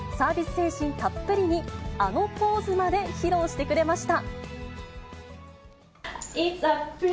精神たっぷりに、あのポーズまで披露してくれました。